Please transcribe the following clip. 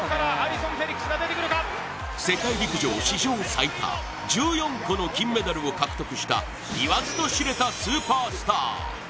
世界陸上史上最多１４個の金メダルを獲得した言わずと知れたスーパースター。